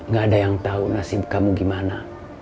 gak ada yang tahu nasib kamu gimana